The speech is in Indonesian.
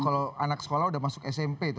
itu kalau anak sekolah sudah masuk smp itu